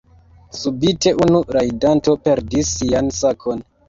Subite unu rajdanto perdis sian sakon.